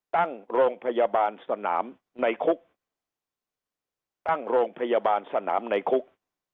ตั้งโรงพยาบาลสนามในคุกตั้งโรงพยาบาลสนามในคุก